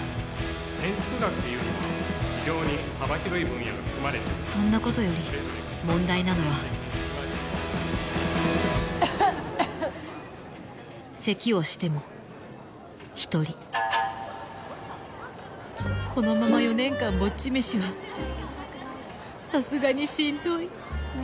・建築学というのは非常に幅広い分野が含まれておりそんなことより問題なのはせきをしても一人このまま４年間ぼっち飯はさすがにしんどい